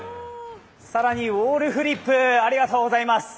更にウォールフリップ、ありがとうございます。